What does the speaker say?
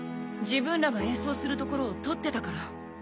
自分らが演奏するところを撮ってたから。